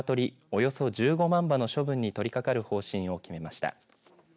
およそ１５万羽の処分に取り掛かる方針を決めました。